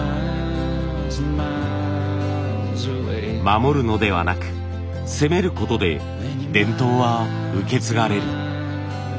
守るのではなく攻めることで伝統は受け継がれる。